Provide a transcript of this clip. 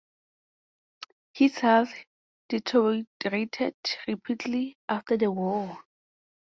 His health deteriorated rapidly after the war.